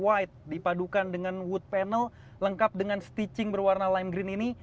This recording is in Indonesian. ada warna biru broken white dipadukan dengan wood panel lengkap dengan stitching berwarna lime green ini